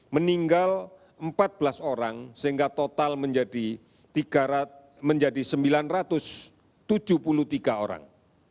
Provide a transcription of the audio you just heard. meninggal empat belas orang sehingga total menjadi sembilan ratus tujuh puluh tiga orang